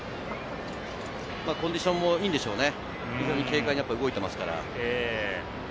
コンディションもいいんでしょうね、軽快に動いてますから。